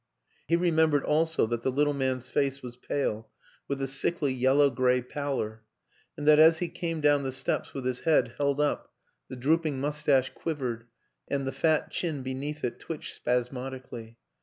He remembered also that the little man'j face was pale, with a sickly yellow gray pallor; and that as he came down the steps with his head held up the drooping mustache quivered and the fat chin beneath it twitched spasmodically.